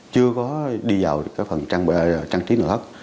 chưa có đi vào cái phần trang trí nội hất